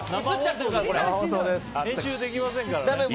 編集できませんからね。